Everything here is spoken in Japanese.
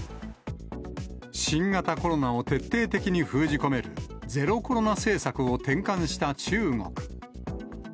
新型コロナを徹底的に封じ込める、ゼロコロナ政策を転換した中国。